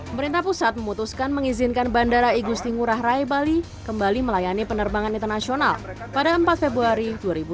pemerintah pusat memutuskan mengizinkan bandara igusti ngurah rai bali kembali melayani penerbangan internasional pada empat februari dua ribu dua puluh